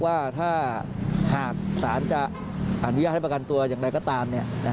ว่าถ้าหากศาลจะอนุญาตให้ประกันตัวอย่างไรก็ตาม